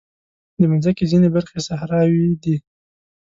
د مځکې ځینې برخې صحراوې دي.